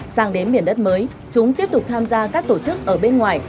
sang đến miền đất mới chúng tiếp tục tham gia các tổ chức ở bên ngoài